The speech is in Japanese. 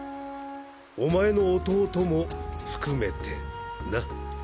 お前の弟も含めてな。